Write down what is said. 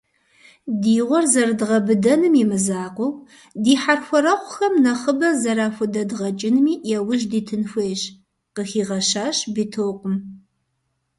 «Ди гъуэр зэрыдгъэбыдэным имызакъуэу, ди хьэрхуэрэгъухэм нэхъыбэ зэрахудэдгъэкӀынми яужь дитын хуейщ», - къыхигъэщащ Битокъум.